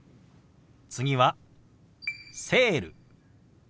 次は「セール」。